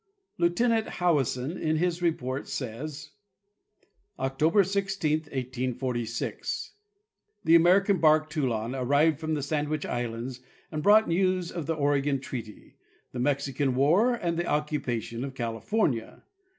Jieutenant Howison in his report says: 'October 16, 1846, the American bark Toulon arrived from the Sand wich islands and brought news of the Oregon treaty, the Mexican war and the occupation of California.